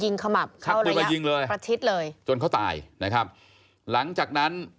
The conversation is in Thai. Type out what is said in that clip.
นี่คือยิงขมับ